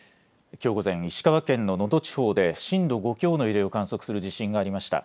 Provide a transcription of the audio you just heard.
きょう午前、石川県の能登地方で震度５強の揺れを観測する地震がありました。